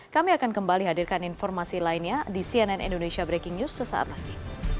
kami akan kembali hadirkan informasi lainnya di cnn indonesia breaking news sesaat lagi